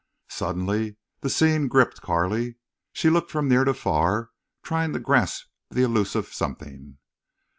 Suddenly the scene gripped Carley. She looked from near to far, trying to grasp the illusive something.